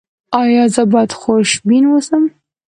ایا زه باید خوشبین اوسم؟